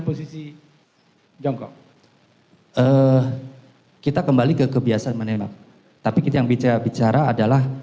posisi tiongkok eh kita kembali ke kebiasaan menembak tapi kita yang bicara bicara adalah